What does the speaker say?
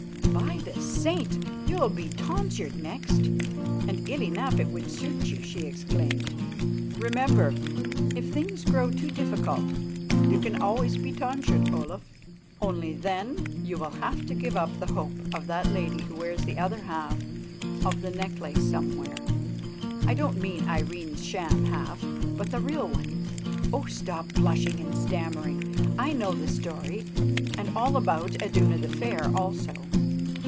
"By the Saints! you'll be tonsured next, and ill enough it would suit you," she exclaimed. "Remember, if things grow too difficult, you can always be tonsured, Olaf. Only then you will have to give up the hope of that lady who wears the other half of the necklace somewhere. I don't mean Irene's sham half, but the real one. Oh! stop blushing and stammering, I know the story, and all about Iduna the Fair also.